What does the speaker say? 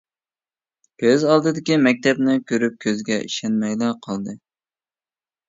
كۆز ئالدىدىكى مەكتەپنى كۆرۈپ كۆزىگە ئىشەنمەيلا قالدى.